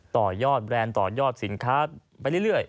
ต่อยอดแบรนด์ต่อยอดสินค้าไปเรื่อย